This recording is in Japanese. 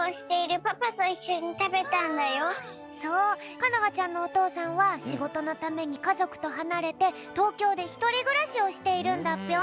かのはちゃんのおとうさんはしごとのためにかぞくとはなれてとうきょうでひとりぐらしをしているんだぴょん。